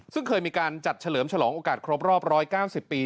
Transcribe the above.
ซึ่งเคยมีการจัดเฉลิมฉลองโอกาสครบรอบ๑๙๐ปี